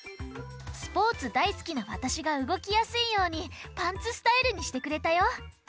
スポーツだいすきなわたしがうごきやすいようにパンツスタイルにしてくれたよ。